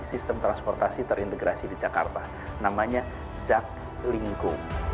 sistem transportasi terintegrasi di jakarta namanya jaklingko